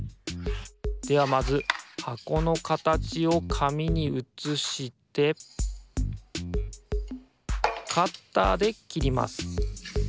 ではまずはこのかたちをかみにうつしてカッターできります。